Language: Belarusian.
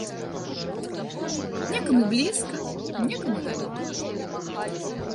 Некаму блізка, некаму далёка.